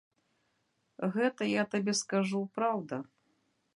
Гэта, я табе скажу, праўда.